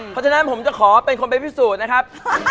เพราะฉะนั้นผมจะขอเป็นคนไปพิสูจน์นะครับ